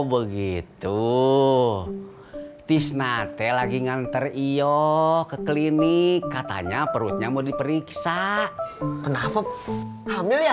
begitu tisnate lagi nganter io ke klinik katanya perutnya mau diperiksa kenapa hamil ya